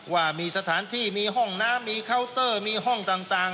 ว่ามีสถานที่มีห้องน้ำมีเคาน์เตอร์มีห้องต่าง